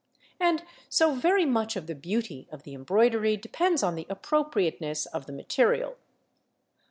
And so very much of the beauty of the embroidery depends on the appropriateness of the material.